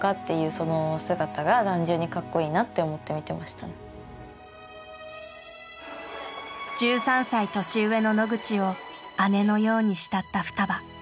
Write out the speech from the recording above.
それの中で１３歳年上の野口を姉のように慕ったふたば。